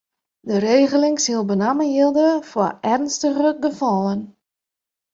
De regeling sil benammen jilde foar earnstige gefallen.